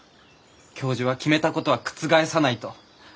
教授は決めたことは覆さないと。